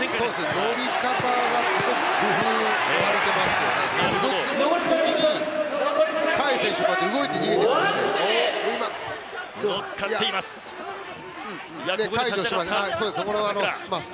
乗り方がすごく工夫されていますね。